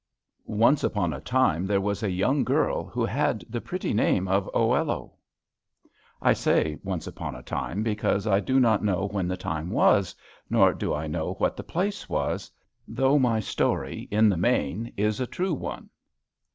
Once upon a time there was a young girl, who had the pretty name of Oello. I say, once upon a time, because I do not know when the time was, nor do I know what the place was, though my story, in the main, is a true story.